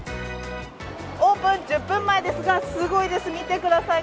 オープン１０分前ですが、すごいです、見てください